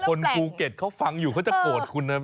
คนภูเก็ตเขาฟังอยู่เขาจะโกรธคุณนะ